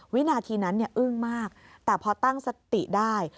วินาทีนั้นอึ้งมากแต่พอตั้งสติได้